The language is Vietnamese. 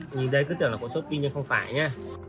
nhìn đây cứ tưởng là của shopee nhưng không phải nhá